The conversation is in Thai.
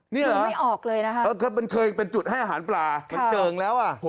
นี่เหรอมันเคยเป็นจุดให้อาหารปลามันเจิงแล้วโอ้โฮ